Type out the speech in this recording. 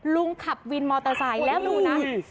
ลุงขับวินมอเตอร์ไซค์แล้วดูนะ